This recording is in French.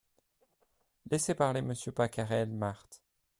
Laissez parler Monsieur Pacarel, Marthe .